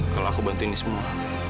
kalau aku bantu ini semua